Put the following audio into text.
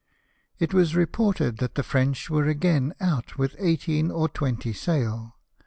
It was reported that the French were again out with eighteen or twenty sail.